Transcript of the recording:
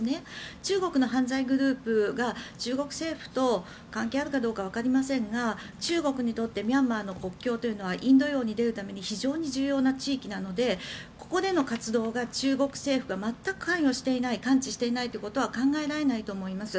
中国の犯罪グループが中国政府と関係あるかどうかわかりませんが中国にとってミャンマーの国境はインド洋に出るために非常に重要な地域なのでここでの活動に中国政府が全く関与していない関知していないことは考えられないと思います。